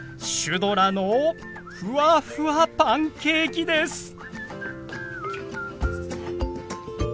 「シュドラのふわふわパンケーキ」です！